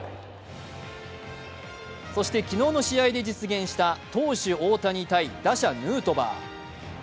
そして昨日の試合で実現した投手・大谷×打者・ヌートバー。